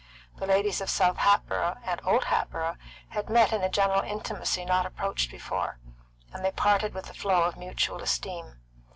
The ladies of South Hatboro' and Old Hatboro' had met in a general intimacy not approached before, and they parted with a flow of mutual esteem.